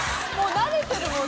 慣れてる。